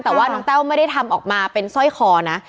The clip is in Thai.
แต่ว่าน้องแต้วไม่ได้ทำออกมาเป็นสร้อยคอนะ